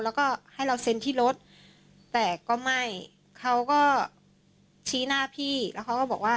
แล้วก็ให้เราเซ็นที่รถแต่ก็ไม่เขาก็ชี้หน้าพี่แล้วเขาก็บอกว่า